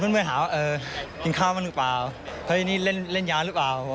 เพื่อนหาว่าเออกินข้าวมันหรือเปล่าเฮ้ยนี่เล่นยาหรือเปล่า